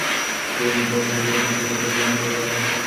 তোমরা চোখ বন্ধ করবে, আর আমি তিন পর্যন্ত গুনবো।